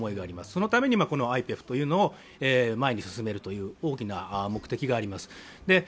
そのためにこのＩＰＥＦを前に進めるという大きな目的があります。